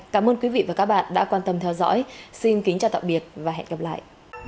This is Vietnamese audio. cảm ơn quý vị và các bạn đã quan tâm theo dõi xin kính chào tạm biệt và hẹn gặp lại